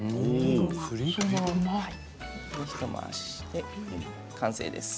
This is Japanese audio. ひと回しして完成です。